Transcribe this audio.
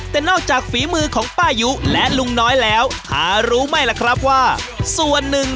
แต่นอกจากฝีมือของป้ายุและลูกน้อยแล้ว